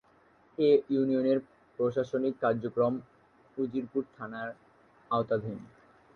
এ ইউনিয়নের প্রশাসনিক কার্যক্রম উজিরপুর থানার আওতাধীন।